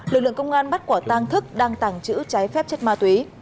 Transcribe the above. lực lượng công an bắt quả tang thức đang tàng trữ trái phép chất ma túy